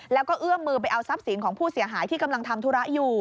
แล้วก็เอื้อมมือไปเอาทรัพย์สินของผู้เสียหายที่กำลังทำธุระอยู่